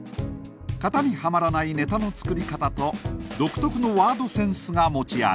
型にはまらないネタの作り方と独特のワードセンスが持ち味。